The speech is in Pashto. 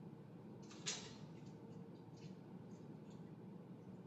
دا مصونیت د برخلیک پر وړاندې اړین دی.